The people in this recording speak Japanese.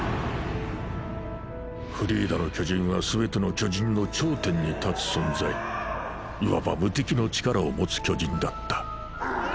フリーダの巨人はすべての巨人の頂点に立つ存在いわば無敵の力を持つ巨人だった。